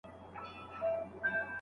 که ته هره کلمه په سمه توګه واورې.